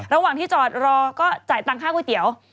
ระหว่างที่จอดรอก็จ่ายตังค่าก๋วยเตี๋ยว